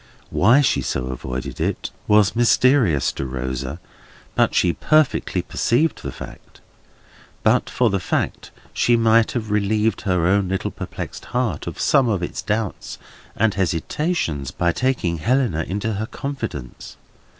Why she so avoided it, was mysterious to Rosa, but she perfectly perceived the fact. But for the fact, she might have relieved her own little perplexed heart of some of its doubts and hesitations, by taking Helena into her confidence.